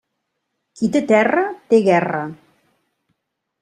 Qui té terra, té guerra.